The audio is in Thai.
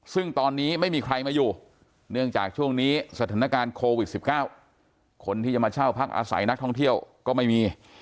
ซึ่งตอนนี้ไม่มีใครมาอยู่เนื่องจากช่วงนี้สถานการณ์โควิด๑๙คนที่จะมาเช่าพักอาศัยนักท่องเที่ยวก็ไม่มี